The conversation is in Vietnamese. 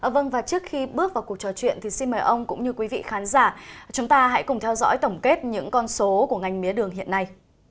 vâng và trước khi bước vào cuộc trò chuyện thì xin mời ông cũng như quý vị khán giả chúng ta hãy cùng theo dõi tổng kết những con số của ngành mía đường hiện nay